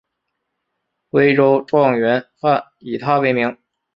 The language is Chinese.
徽州状元饭以他为名。